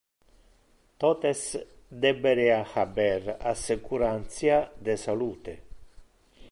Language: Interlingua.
Totes deberea haber assecurantia de salute.